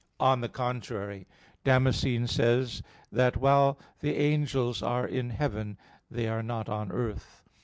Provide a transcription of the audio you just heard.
On the contrary, Damascene says (De Fide Orth. ii) that "while the angels are in heaven, they are not on earth."